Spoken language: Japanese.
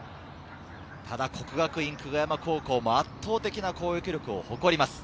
國學院久我山高校も圧倒的な攻撃力を誇ります。